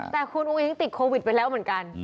แต่คุณอุ้งอิงติดโควิดไปแล้วเหมือนกัน